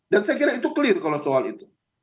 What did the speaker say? dan saya kira itu clear kalau soal itu